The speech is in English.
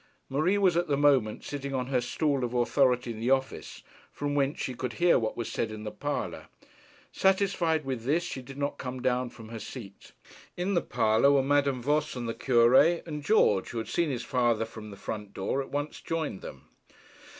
Marie was at the moment sitting on her stool of authority in the office, from whence she could hear what was said in the parlour. Satisfied with this, she did not come down from her seat. In the parlour was Madame Voss and the Cure, and George, who had seen his father from the front door, at once joined them.